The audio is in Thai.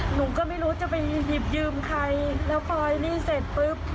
หนูก็ไม่รู้จะไปหยิบยืมใครแล้วปล่อยหนี้เสร็จปุ๊บ